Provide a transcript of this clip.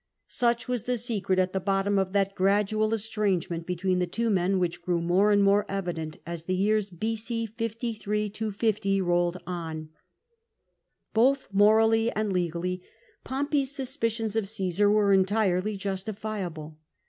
Such was the secret at the bottom of that gradual estrangement between the two men which grew more and more evident as the years B.G. 53 50 rolled on. Both morally and legally Pompey's suspicions of Caesar were entirely justifiable.